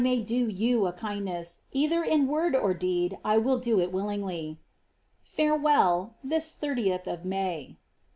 1 may do you a kindness, either in word or deed, I will do h williagly. F«» well, this 30th of May.''